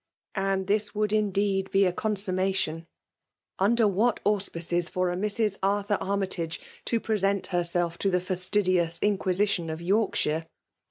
And this' %voald, indeed, be a consummation ! Undet what auspices for a Mrs. Arthur Armytage to' present herself to the fastidious inquisition of Yorkshire!